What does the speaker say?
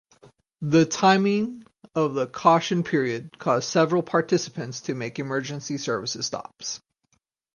The timing of the caution period caused several participants to make emergency service stops.